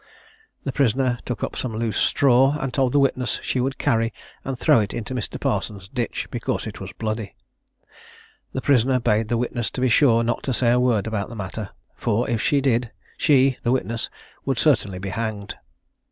The prisoner took up some loose straw, and told the witness she would carry and throw it into Mr. Parson's ditch, because it was bloody. The prisoner bade the witness to be sure not to say a word about the matter; for, if she did, she (the witness) would certainly be hanged.